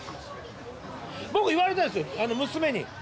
僕言われたんですよ娘に。